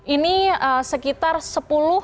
ini sekitar satu lima miliar dolar